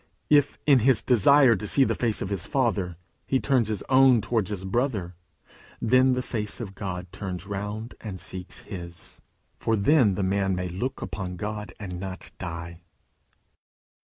If, in his desire to see the face of his Father, he turns his own towards his brother, then the face of God turns round and seeks his, for then the man may look upon God and not die.